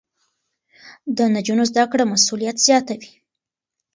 د نجونو زده کړه مسؤليت زياتوي.